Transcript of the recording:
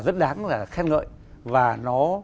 rất đáng là khen ngợi và nó